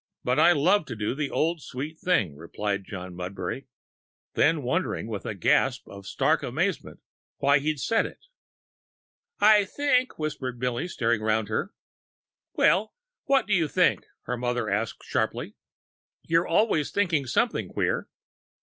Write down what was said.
But I love to do the old, sweet thing," replied John Mudbury then wondered with a gasp of stark amazement why he said it. "I think " whispered Milly, staring round her. "Well, what do you think?" her mother asked sharply. "You're always thinking something queer."